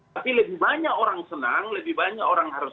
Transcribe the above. tapi lebih banyak orang senang lebih banyak orang harus